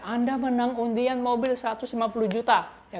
anda menang undian mobil satu ratus lima puluh juta